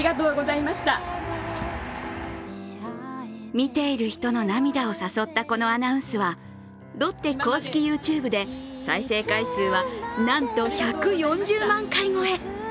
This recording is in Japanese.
見ている人の涙を誘ったこのアナウンスはロッテ公式ＹｏｕＴｕｂｅで再生回数はなんと１４０万回超え。